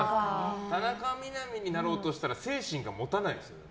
田中みな実になろうとしたら精神が持たないですよ。